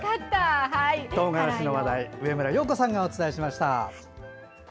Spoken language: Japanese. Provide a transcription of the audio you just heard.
トウガラシの話題上村陽子さんがお伝えしました。